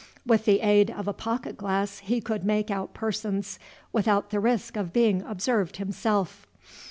With the aid of a pocket glass he could make out persons without the risk of being observed himself.